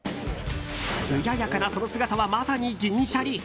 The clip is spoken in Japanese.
つややかなその姿はまさに銀シャリ。